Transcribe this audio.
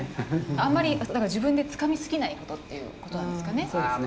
あんまり自分でつかみすぎないことっていうことなんですかね？